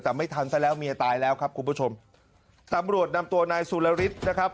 แต่ไม่ทันซะแล้วเมียตายแล้วครับคุณผู้ชมตำรวจนำตัวนายสุรฤทธิ์นะครับ